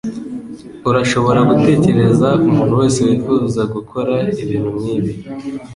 Urashobora gutekereza umuntu wese wifuza gukora ibintu nkibi?